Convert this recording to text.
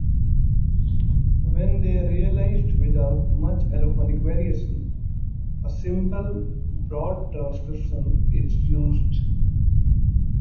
When they are realized without much allophonic variation, a simple "broad transcription" is used.